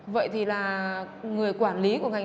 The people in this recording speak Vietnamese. vậy thì là người quản lý của ngành